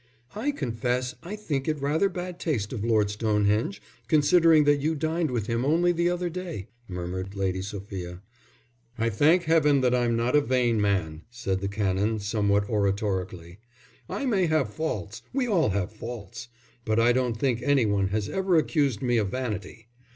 "I confess I think it rather bad taste of Lord Stonehenge, considering that you dined with him only the other day," murmured Lady Sophia. "I thank Heaven that I'm not a vain man," said the Canon, somewhat oratorically. "I may have faults; we all have faults. But I don't think any one has ever accused me of vanity.